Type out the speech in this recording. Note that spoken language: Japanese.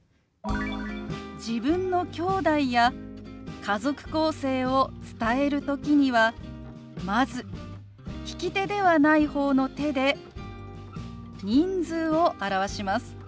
自分のきょうだいや家族構成を伝える時にはまず利き手ではない方の手で人数を表します。